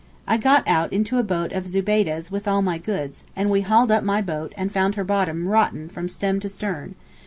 I got out into a boat of Zubeydeh's with all my goods, and we hauled up my boat, and found her bottom rotten from stem to stern.